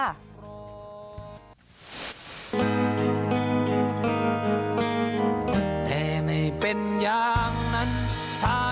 อ้าวไปฟังหน่อยค่ะ